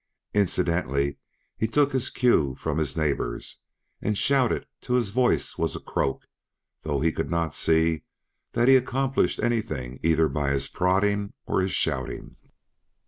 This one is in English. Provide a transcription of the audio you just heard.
Incidentally he took his cue from his neighbors, and shouted till his voice was a croak though he could not see that he accomplished anything either by his prodding or his shouting.